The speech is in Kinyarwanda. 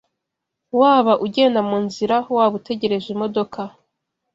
Waba ugenda mu nzira, waba utegereje imodoka